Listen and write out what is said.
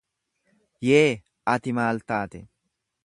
Yee, ati maal taate?